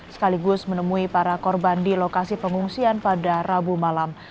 sekaligus menemui para korban di lokasi pengungsian pada rabu malam